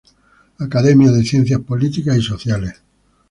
Academia de Ciencias Políticas y Sociales.